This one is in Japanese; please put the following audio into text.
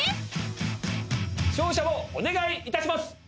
勝者をお願いいたします。